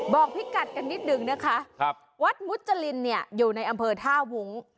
บอกพิกัดกันนิดนึงวัดมุฒาลินอยู่ในอำเภอธาวุง